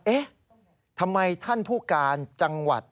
เอ๊ะทำไมท่านผู้การจังหวัด